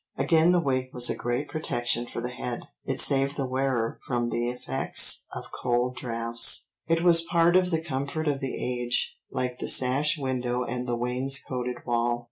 Again the wig was a great protection for the head; it saved the wearer from the effects of cold draughts; it was part of the comfort of the age like the sash window and the wainscoted wall.